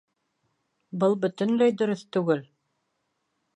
Был бөтөнләй дөрөҫ түгел